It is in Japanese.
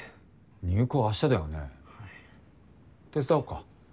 入稿明日だよね手伝おうか？